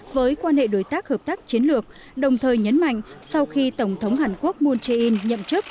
với quan hệ đối tác hợp tác chiến lược đồng thời nhấn mạnh sau khi tổng thống hàn quốc moon jae in nhậm chức